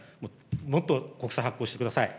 もっと国債発行してください。